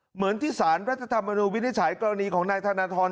เหมือนที่สารรัฐธรรมนูญวินิจฉัยกรณีของนายธนทร